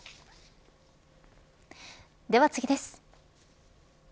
では次です。